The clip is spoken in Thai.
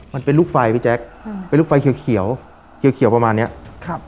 มันเป็นลูกไฟพี่แจ๊คอืมเป็นลูกไฟเขียวเขียวเขียวประมาณเนี้ยครับ